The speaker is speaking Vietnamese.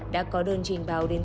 đã có đơn trình báo đến